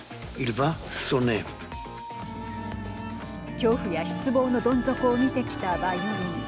恐怖や失望のどん底を見てきたバイオリン。